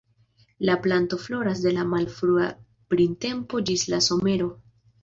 La planto floras de la malfrua printempo ĝis la somero.